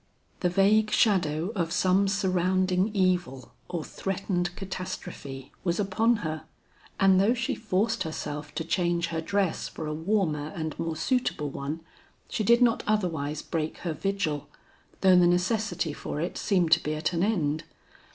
The vague shadow of some surrounding evil or threatened catastrophe was upon her, and though she forced herself to change her dress for a warmer and more suitable one, she did not otherwise break her vigil, though the necessity for it seemed to be at an end.